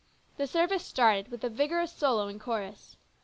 The service started with a vigorous solo and chorus.